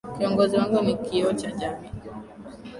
Kiongozi wangu ni kioo cha jamii.